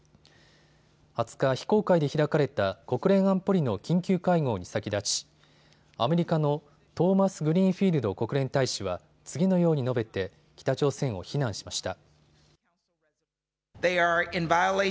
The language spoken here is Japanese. ２０日、非公開で開かれた国連安保理の緊急会合に先立ちアメリカのトーマスグリーンフィールド国連大使は次のように述べて北朝鮮を非難しました。